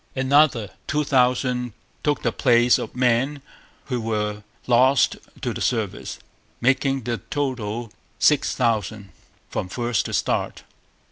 Another two thousand took the place of men who were lost to the service, making the total six thousand, from first to last.